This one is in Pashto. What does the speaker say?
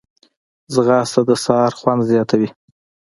ځغاسته د سهار خوند زیاتوي